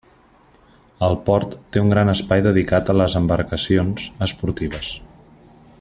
El port té un gran espai dedicat a les embarcacions esportives.